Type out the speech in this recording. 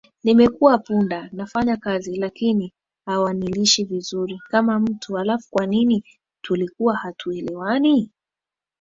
Nimekuwa punda nafanya kazi lakini hawanilishi vizuri kama mtu Halafu kwanini tulikuwa hatuelewani